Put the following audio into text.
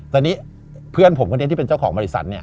แต่นี่เพื่อนผมคนนี้ที่เป็นเจ้าของบริษัทเนี่ย